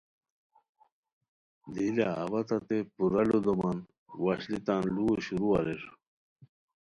دی لہ اوا تتے پورا ُلو دومان وشلی تان لوؤ شروع اریر